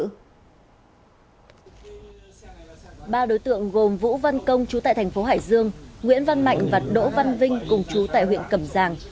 ba đối tượng gồm vũ văn công chú tại thành phố hải dương nguyễn văn mạnh và đỗ văn vinh cùng chú tại huyện cẩm giang